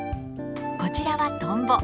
こちらはトンボ。